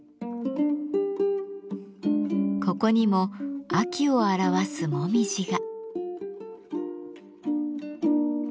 ここにも秋を表すもみじが。